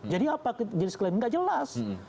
jadi apa jenis kelaminnya tidak jelas